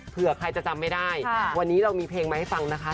เผื่อใครจะจำไม่ได้วันนี้เรามีเพลงมาให้ฟังนะคะ